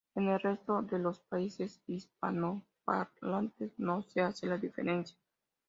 En el resto de los países hispanoparlantes, no se hace la diferencia.